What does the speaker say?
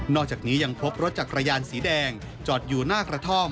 อกจากนี้ยังพบรถจักรยานสีแดงจอดอยู่หน้ากระท่อม